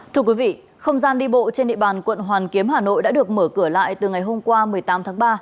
thưa quý vị không gian đi bộ trên địa bàn quận hoàn kiếm hà nội đã được mở cửa lại từ ngày hôm qua một mươi tám tháng ba